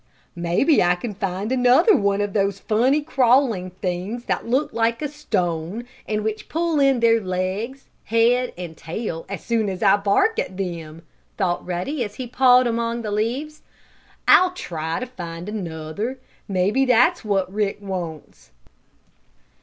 "Maybe I can find another one of those funny, crawling things, that look like a stone, and which pull in their legs, head and tail as soon as I bark at them," thought Ruddy as he pawed among the leaves. "I'll try to find another. Maybe that's what Rick wants."